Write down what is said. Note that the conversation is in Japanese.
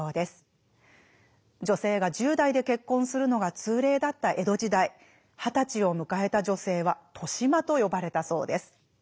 女性が１０代で結婚するのが通例だった江戸時代二十歳を迎えた女性は年増と呼ばれたそうです。